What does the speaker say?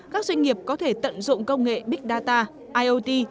các doanh nghiệp có thể tận dụng công nghệ big data iot